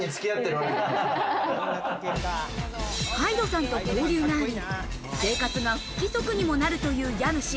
ＨＹＤＥさんと交流があり、生活が不規則にもなるという家主。